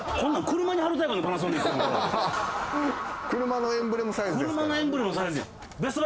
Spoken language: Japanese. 車のエンブレムのサイズや。